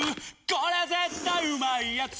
これ絶対うまいやつ」